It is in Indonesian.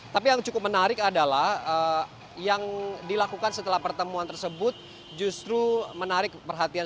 tapi yang cukup menarik adalah yang dilakukan setelah pertemuan tersebut justru menarik perhatian